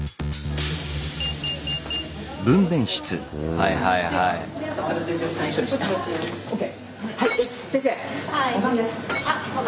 はいはいはい。来た。